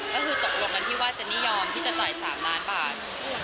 ก็คือตกลงกันที่ว่าเจนนี่ยอมที่จะจ่าย๓ล้านบาท